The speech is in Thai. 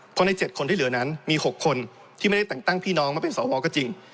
เพราะใน๗คนที่เหลือนั้นมี๖คนที่ไม่ได้แต่งตั้งพี่น้องมาเป็นสวก็จริง